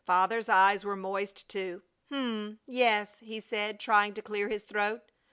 Father's eyes were moist, too. "H'm! Yes!" he said, trying to clear his throat.